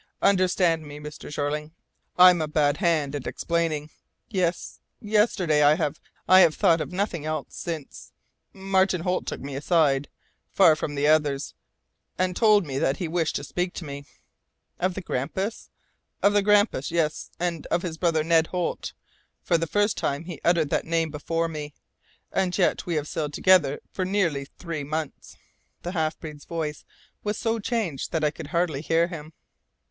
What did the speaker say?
"Understand me, Mr. Jeorling, I am a bad hand at explaining. Yes, yesterday I have thought of nothing else since Martin Holt took me aside, far from the others, and told me that he wished to speak to me " "Of the Grampus?" "Of the Grampus yes, and of his brother, Ned Holt. For the first time he uttered that name before me and yet we have sailed together for nearly three months." The half breed's voice was so changed that I could hardly hear him.